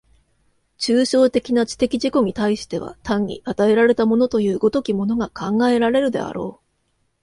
抽象的な知的自己に対しては単に与えられたものという如きものが考えられるであろう。